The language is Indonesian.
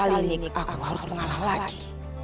eh kali ini aku harus mengalah lagi